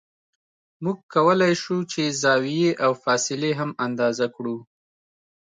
موږ کولای شو چې زاویې او فاصلې هم اندازه کړو